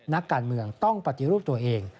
นักการเมืองต้องปฏิรูปตัวเอง